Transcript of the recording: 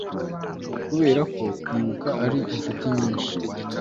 kuberako kwibuka ari inshuti nyinshi